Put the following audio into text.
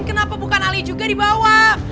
kenapa bukan ali juga dibawa